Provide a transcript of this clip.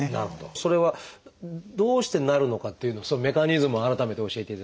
それはどうしてなるのかっていうようなそのメカニズムを改めて教えていただきたいんですが。